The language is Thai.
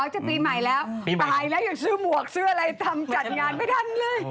จะปีใหม่แล้วตายแล้วยังซื้อหมวกซื้ออะไรทำจัดงานไม่ทันเลย